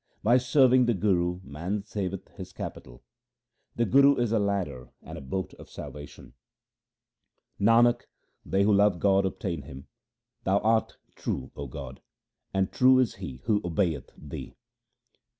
By serving the Guru man saveth his capital ; 1 the Guru is a ladder and a boat of salvation. Nanak, they who love God obtain Him ; Thou art true, 0 God, and true is he who obeyeth Thee.